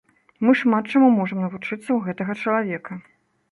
Мы шмат чаму можам навучыцца ў гэтага чалавека.